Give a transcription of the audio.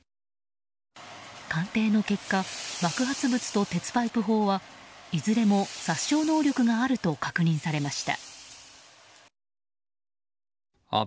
鑑定の結果爆発物と鉄パイプ砲はいずれも殺傷能力があると確認されました。